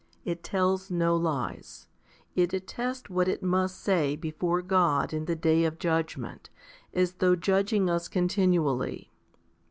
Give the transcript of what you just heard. It tells no lies. It attests what it must say before God in the day of judgment, as though judging us continually.